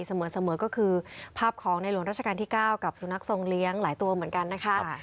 เสมอก็คือภาพของในหลวงราชการที่๙กับสุนัขทรงเลี้ยงหลายตัวเหมือนกันนะคะ